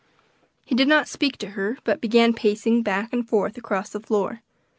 He did not speak to her, but began pacing back and forth across the floor.